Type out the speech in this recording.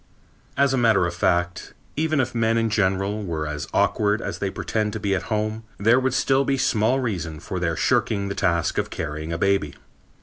As a matter of fact, even if men in general were as awkward as they pretend to be at home, there would still be small reason for their shirking the task of carrying a baby.